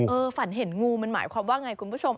คุณฝันเห็นงูมันหมายว่าไงคุณผู้ชม